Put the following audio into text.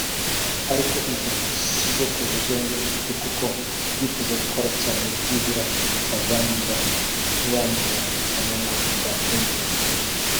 ariko izo sizo project zonyine mfite kuko ndifuza gukora cyane byibura abanyumva ntibambure cyangwa ngo bankumbure